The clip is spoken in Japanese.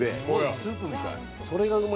スープみたい。